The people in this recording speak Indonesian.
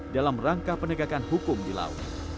dalam rangka penegakan hukum di laut